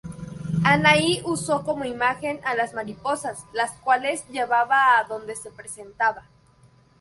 Anahí uso como imagen a las mariposas, las cuales llevaba a donde se presentaba.